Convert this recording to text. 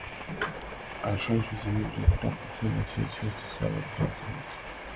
A trench was immediately dug between the two twins to sever their connecting roots.